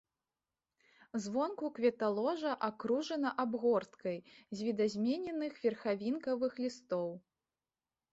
Звонку кветаложа акружана абгорткай з відазмененых верхавінкавых лістоў.